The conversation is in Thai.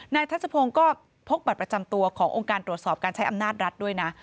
ทัศพงศ์ก็พกบัตรประจำตัวขององค์การตรวจสอบการใช้อำนาจรัฐด้วยนะ